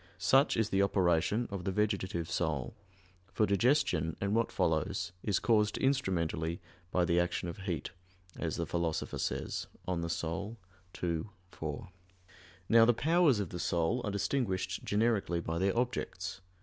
Such is the operation of the vegetative soul; for digestion, and what follows, is caused instrumentally by the action of heat, as the Philosopher says (De Anima ii, 4). Now the powers of the soul are distinguished generically by their objects.